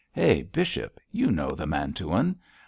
_ Hey, bishop, you know the Mantuan.